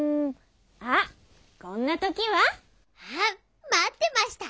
あっこんな時は！あっ待ってました！